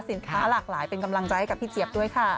สินค้าหลากหลายเป็นกำลังใจให้กับพี่เจี๊ยบด้วยค่ะ